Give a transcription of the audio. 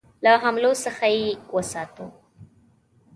له حملو څخه یې وساتو.